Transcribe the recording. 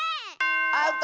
アウト！